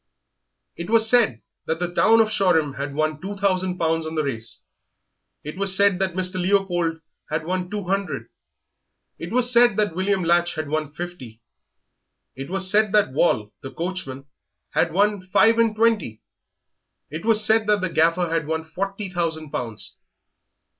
It was said that the town of Shoreham had won two thousand pounds on the race; it was said that Mr. Leopold had won two hundred; it was said that William Latch had won fifty; it was said that Wall, the coachman, had won five and twenty; it was said that the Gaffer had won forty thousand pounds.